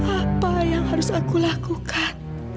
apa yang harus aku lakukan